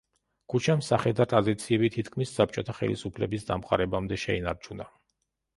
ქუჩამ სახე და ტრადიციები თითქმის საბჭოთა ხელისუფლების დამყარებამდე შეინარჩუნა.